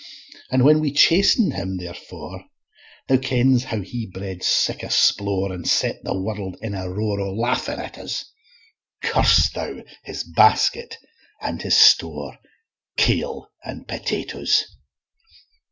An' when we chasten'd him therefor, Thou kens how he bred sic a splore, An' set the warld in a roar O' laughing at us; Curse Thou his basket and his store, Kail an' potatoes.